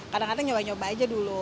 kadang kadang nyoba nyoba aja dulu